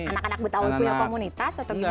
anak anak betul punya komunitas atau gimana